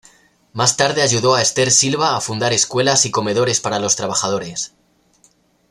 Más tarde ayudó a Esther Silva a fundar escuelas y comedores para los trabajadores.